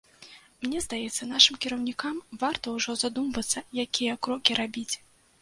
Мне здаецца, нашым кіраўнікам варта ўжо задумвацца, якія крокі рабіць.